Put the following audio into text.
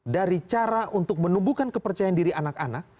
dari cara untuk menumbuhkan kepercayaan diri anak anak